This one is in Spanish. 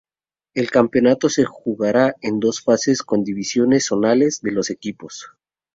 El campeonato se jugará en dos fases y con divisiones zonales de los equipos.